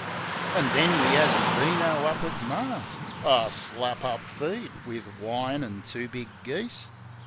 An' then we 'as a beano up at Mar's — A slap up feed, wiv wine an' two big geese.